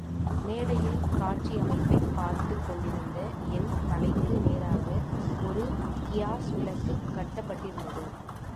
மேடையில் காட்சி அமைப்பைப் பார்த்துக் கொண்டிருந்த என் தலைக்கு நேராக ஒரு கியாஸ் விளக்குக் கட்டப்பட்டிருந்தது.